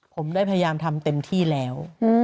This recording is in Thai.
ผมได้พยายามทำเต็มที่แล้ว